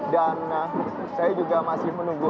dan saya juga masih menunggu